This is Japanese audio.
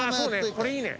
これいいね。